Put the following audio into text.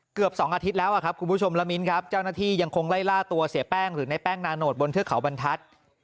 เกือบ๒อาทิตย์แล้วครับคุณผู้ชมละมิ้นครับเจ้าหน้าที่ยังคงไล่ล่าตัวเสียแป้งหรือในแป้งนาโนดบนเทือกเขาบรรทัศน์